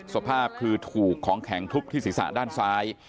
สภาพคือถูกของแข็งทุบที่ศีรษะด้านซ้าย